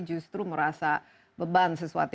justru merasa beban sesuatu